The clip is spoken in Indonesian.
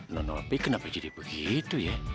non tapi kenapa jadi begitu ya